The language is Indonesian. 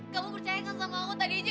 kamu percayakan sama aku tadi aja